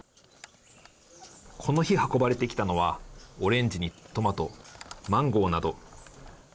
この日、運ばれてきたのはオレンジにトマトマンゴーなど。